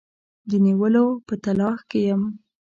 د نیولو په تلاښ کې یم.